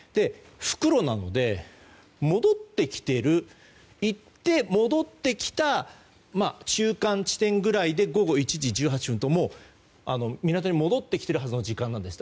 復路なので戻ってきている行って戻ってきた中間地点くらいで午後１時１８分、これは港に戻ってきているはずの時間なんです。